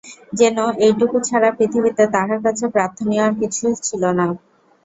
যেন এইটুকু ছাড়া পৃথিবীতে তাহার কাছে প্রার্থনীয় আর কিছু ছিল না।